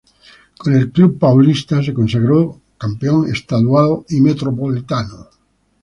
Con el club paulista se consagró campeón estadual y Metropolitano.